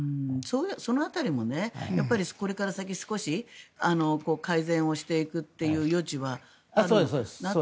その辺りもこれから先、少し改善をしていくっていう余地はあるのかなと。